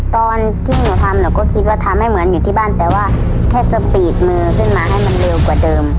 ตอนที่หนูทำหนูก็คิดว่าทำให้เหมือนอยู่ที่บ้านแต่ว่าแค่สปีดมือขึ้นมาให้มันเร็วกว่าเดิม